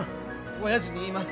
おやじに言います